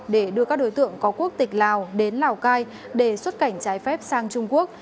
để đưa các đối tượng có quốc tịch lào đến lào cai để xuất cảnh trái phép sang trung quốc